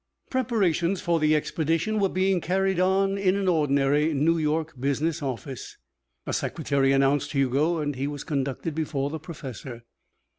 Preparations for the expedition were being carried on in an ordinary New York business office. A secretary announced Hugo and he was conducted before the professor.